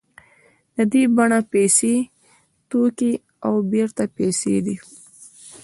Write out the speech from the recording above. د دې بڼه پیسې توکي او بېرته پیسې دي